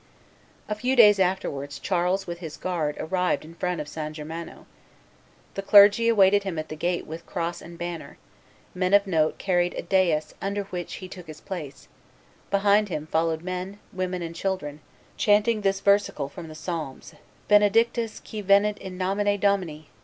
A few days afterwards Charles with his guard arrived in front of San Germano: "The clergy awaited him at the gate with cross and banner; men of note carried a dais under the which he took his place; behind him followed men, women, and children, chanting this versicle from the Psalms: 'Benedictus qui venit in nomine Domini!